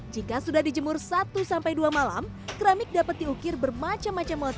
jika sudah dijemur satu sampai dua malam keramik dapat diukir bermacam macam motif